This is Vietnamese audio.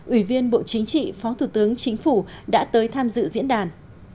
ủy viên bộ chính trị phó thủ tướng chính phủ đã tới tham dự diễn đàn